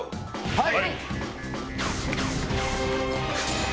はい！